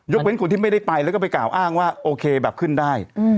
เว้นคนที่ไม่ได้ไปแล้วก็ไปกล่าวอ้างว่าโอเคแบบขึ้นได้